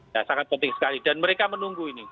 ya sangat penting sekali dan mereka menunggu ini